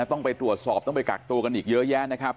ต้องไปตรวจสอบต้องไปกักตัวกันอีกเยอะแยะนะครับ